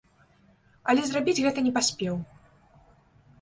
Але зрабіць гэта не паспеў.